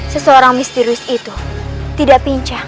seseorang misterius itu tidak pincah